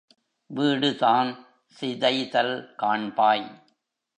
வீடுதான் சிதைதல் காண்பாய்!